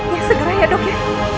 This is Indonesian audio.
ya segera ya dok ya